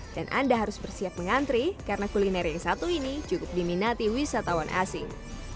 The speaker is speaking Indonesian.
dan anda harus bersiap mengantri karena kuliner yang satu ini cukup diminati wisatawan asing